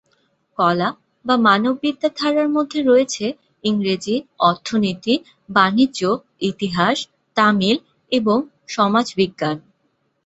কলা/মানববিদ্যা ধারার মধ্যে রয়েছে ইংরেজি, অর্থনীতি, বাণিজ্য, ইতিহাস, তামিল এবং সমাজবিজ্ঞান।